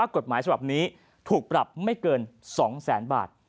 กฎหมายฉบับนี้ถูกปรับไม่เกิน๒แสนบาท